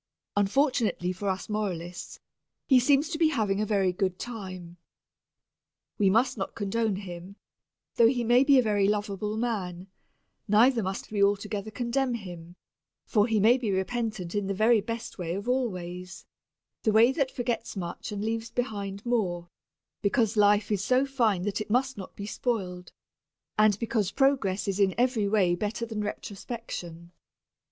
Unfortunately for us moralists he seems to be having a very good time. We must not condone him, though he may be a very lovable person; neither must we altogether condemn him, for he may be repentant in the very best way of all ways, the way that forgets much and leaves behind more, because life is so fine that it must not be spoiled, and because progress is in every way better than retrospection.